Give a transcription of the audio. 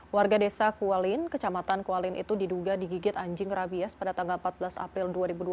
warga desa kualin kecamatan kualin itu diduga digigit anjing rabies pada tanggal empat belas april dua ribu dua puluh